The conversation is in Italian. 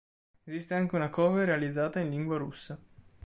Esiste anche una cover realizzata in lingua russa.